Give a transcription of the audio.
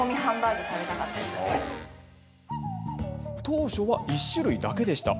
当初は１種類だけでした。